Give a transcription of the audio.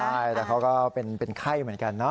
ใช่แต่เขาก็เป็นไข้เหมือนกันเนาะ